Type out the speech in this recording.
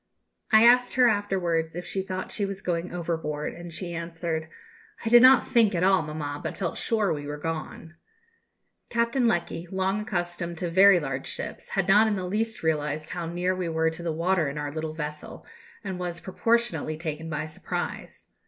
I asked her afterwards if she thought she was going overboard, and she answered, "I did not think at all, mamma, but felt sure we were gone." Captain Lecky, long accustomed to very large ships, had not in the least realized how near we were to the water in our little vessel, and was proportionately taken by surprise.